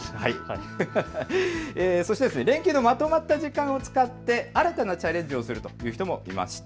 そして連休のまとまった時間を使って新たなチャレンジをするという人もいました。